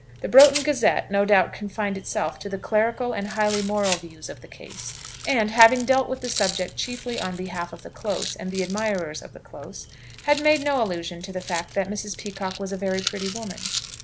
The 'Broughton Gazette' no doubt confined itself to the clerical and highly moral views of the case, and, having dealt with the subject chiefly on behalf of the Close and the admirers of the Close, had made no allusion to the fact that Mrs. Peacocke was a very pretty woman.